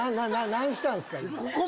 何したんすか？